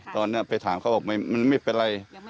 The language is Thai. ตอนไปถามเขาบอกมันไม่เป็นไร